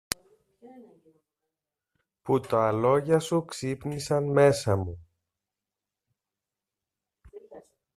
που τα λόγια σου ξύπνησαν μέσα μου.